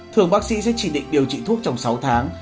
thường bác sĩ sẽ chỉ định điều trị thuốc trong sáu tháng